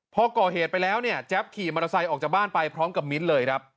พอก่อเหตุไปแล้วเนี่ยแจ๊บขี่มอเตอร์ไซค์ออกจากบ้านไปพร้อมกับมิ้นเลยครับ